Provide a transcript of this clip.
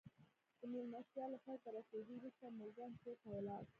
د مېلمستیا له پای ته رسېدو وروسته مورګان کور ته ولاړ